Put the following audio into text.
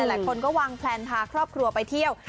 หลายคนก็วางแพลนพาครอบครัวไปเที่ยว